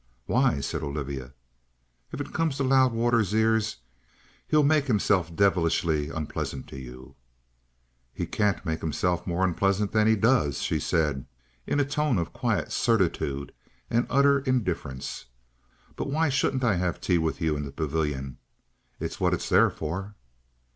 "Why?" said Olivia. "If it comes to Loudwater's ears, he'll make himself devilishly unpleasant to you." "He can't make himself more unpleasant than he does," she said, in a tone of quiet certitude and utter indifference. "But why shouldn't I have tea with you in the pavilion? It's what it's there for."